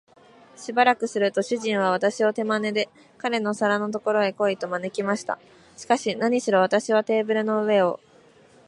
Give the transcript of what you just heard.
しばらくすると、主人は私を手まねで、彼の皿のところへ来い、と招きました。しかし、なにしろ私はテーブルの上を